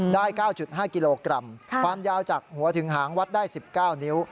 ๙๕กิโลกรัมความยาวจากหัวถึงหางวัดได้๑๙นิ้ว